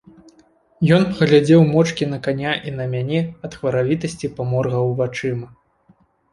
Ён паглядзеў моўчкі на каня і на мяне, ад хваравітасці паморгаў вачыма.